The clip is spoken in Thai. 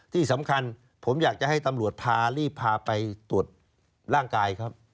ที่สำคัญผมอยากจะให้ตำรวจพารีบพาไปตรวจร่างกายครับ